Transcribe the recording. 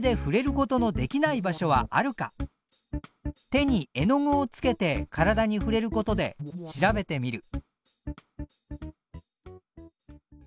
手に絵の具をつけて体に触れることで調べてみる。